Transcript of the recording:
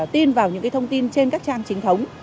tin vào những thông tin trên các trang chính thống